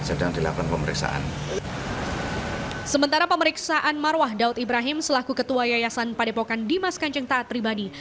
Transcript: sementara pemeriksaan marwah daud ibrahim selaku ketua yayasan padepokan dimas kanjeng taat pribadi